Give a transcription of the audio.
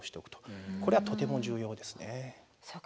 これはとても重要ですね。